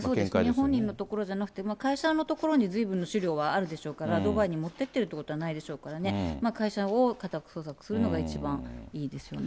本人の所じゃなくて、会社の所にずいぶんの資料はあるでしょうから、ドバイに持っていってるということはないでしょうからね、会社を家宅捜索するのが一番いいですよね。